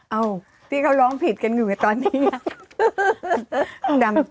ที่เขาร้องผิดกันอยู่ในตอนนี้